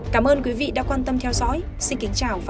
cảm ơn quý vị đã quan tâm theo dõi xin kính chào và hẹn gặp lại